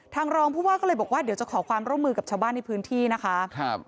รองผู้ว่าก็เลยบอกว่าเดี๋ยวจะขอความร่วมมือกับชาวบ้านในพื้นที่นะคะ